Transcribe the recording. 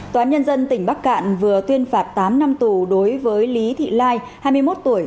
tòa án nhân dân tỉnh bắc cạn vừa tuyên phạt tám năm tù đối với lý thị lai hai mươi một tuổi